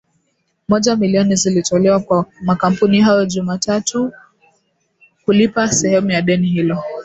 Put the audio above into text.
moja milioni zilitolewa kwa makampuni hayo Jumatatu kulipa sehemu ya deni hilo